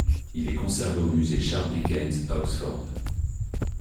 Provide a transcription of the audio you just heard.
Il est conservé au musée Charles Dickens à Oxford.